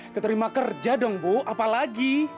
keterima kerja dong bu apalagi